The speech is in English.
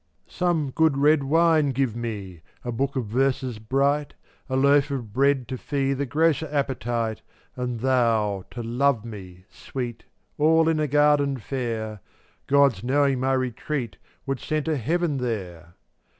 449 Some good red wine give me, d^m/IV A book of verses bright, X* A loaf of bread to fee QPU$ The grosser appetite, tf IMfr And thou to love me, Sweet, o""JJ All in a garden fair, — Gods knowing my retreat Would center heaven there!